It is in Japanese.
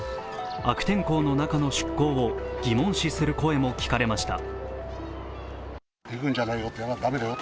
悪天候の中の出航を疑問視する声も聞かれました。